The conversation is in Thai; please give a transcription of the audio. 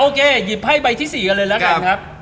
โอเคหยุดไพ่ใบที่สี่กันเลยนะครับ